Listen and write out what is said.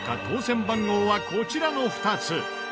当せん番号はこちらの２つ。